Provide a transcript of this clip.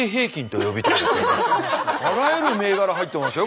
あらゆる銘柄入ってますよ